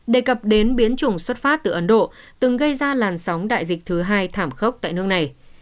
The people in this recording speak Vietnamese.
đề cập đến biến chủng xuất phát từ ấn độ từng gây ra làn sóng đại dịch thứ hai thảm khốc tại nước này